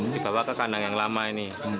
dibawa ke kandang yang lainnya